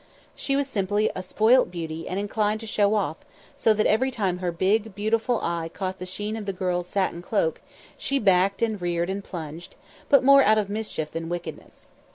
She was simply a spoilt beauty and inclined to show off, so that every time her big, beautiful eye caught the sheen of the girl's satin cloak, she backed and reared and plunged, but more out of mischief than wickedness.